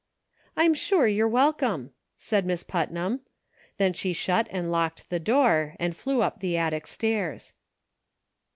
" I'm sure you're welcome," said Miss Putnam ; y6 UNSEEN CONNECTIONS. then she shut and locked the door, and flew up the attic stairs.